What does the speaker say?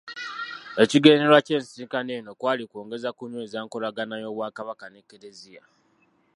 Ekigendererwa ky’ensisinkano eno kwali kwongera kunyweza nkolagana y’Obwakabaka n’Eklezia.